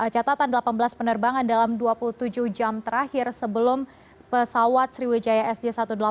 catatan delapan belas penerbangan dalam dua puluh tujuh jam terakhir sebelum pesawat sriwijaya sj satu ratus delapan puluh